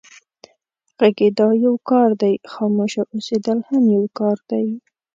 غږېدا يو کار دی، خاموشه اوسېدل هم يو کار دی.